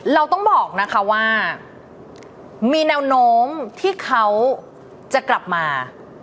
เราต้องบอกนะคะว่ามีแนวโน้มที่เขาจะกลับมา